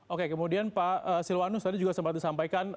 oke kemudian pak silwanus tadi juga sempat disampaikan